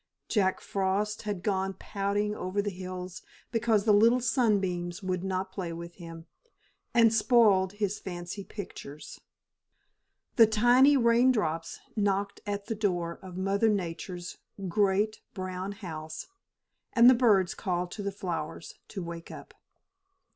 Jack Frost had gone pouting over the hills because the little sunbeams would not play with him, and spoiled his fancy pictures. The tiny raindrops knocked at the door of Mother Nature's great, brown house; and the birds called to the flowers to wake up.